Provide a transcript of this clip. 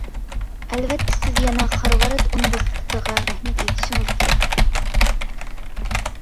ئەلۋەتتە سىز يەنە خارۋارد ئۇنىۋېرسىتېتىغا رەھمەت ئېيتىشىڭىز كېرەك.